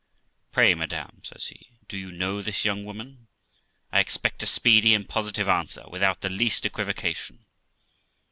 ' Pray, madam ', says he, ' do you know this young woman ? I expect a speedy and positive answer, without the least equivocation.'